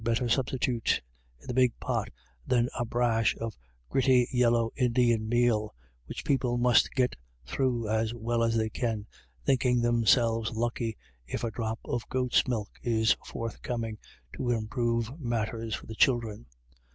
better substitute in the big pot than a " brash " of the gritty yellow Indian meal, which people must get through as well as they can, thinking them selves lucky if a drop of goat's milk is forthcoming to improve matters for the children.